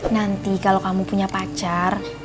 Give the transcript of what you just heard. nanti kalau kamu punya pacar